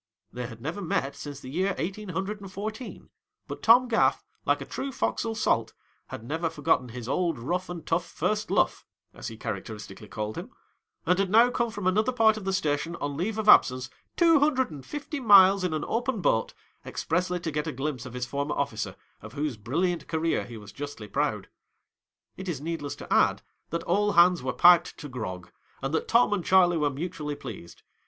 " They had never met since the year eighteen hundred and fourteen, but Tom Gaff, like a true fok'sle salt, had never forgotten his old rough and tough first luff (as he characteris tically called him) and had now come from another part of the station on leave of absence, two hundred and fifty miles in an open boat, expressly to get a glimpse of his former officer, of whose brilliant career he was justly proud. It is needless to add that all hand » were piped to grog, and that Tom and Old Charley were mutually pleased.